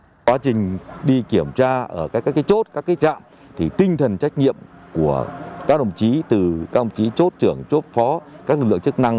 trong quá trình đi kiểm tra ở các chốt các trạm thì tinh thần trách nhiệm của các đồng chí từ các ông chí chốt trưởng chốt phó các lực lượng chức năng